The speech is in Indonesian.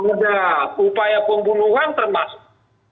ada upaya pembunuhan termasuk